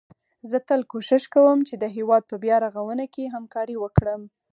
زه تل کوښښ کوم چي د هيواد په بيا رغونه کي همکاري وکړم